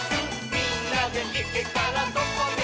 「みんなでいけたらどこでもイス！」